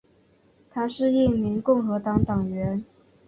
她是一名共和党党员。